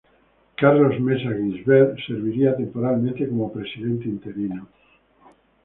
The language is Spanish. Carlos Mesa Gisbert serviría temporalmente como presidente interino.